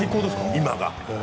今が。